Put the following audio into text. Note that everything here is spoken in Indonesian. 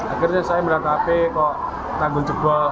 akhirnya saya merata rata kok tanggul cebol